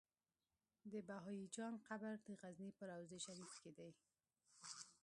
د بهايي جان قبر د غزنی په روضه شريفه کی دی